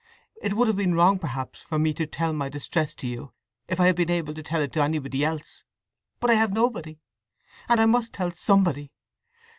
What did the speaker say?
… It would have been wrong, perhaps, for me to tell my distress to you, if I had been able to tell it to anybody else. But I have nobody. And I must tell somebody!